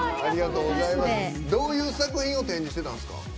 どういう作品を展示してたんですか？